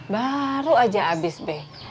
baru aja habis be